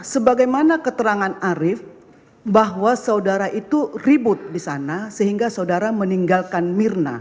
sebagaimana keterangan arief bahwa saudara itu ribut di sana sehingga saudara meninggalkan mirna